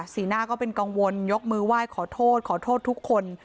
หน้าก็เป็นกังวลยกมือไหว้ขอโทษขอโทษทุกคน